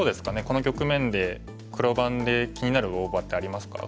この局面で黒番で気になる大場ってありますか？